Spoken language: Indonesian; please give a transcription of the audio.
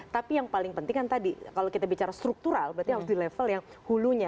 tapi yang paling penting kan tadi kalau kita bicara struktural berarti harus di level yang hulunya